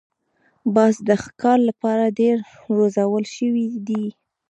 باز د ښکار لپاره ډېر روزل شوی دی